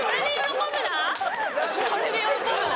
それで喜ぶな！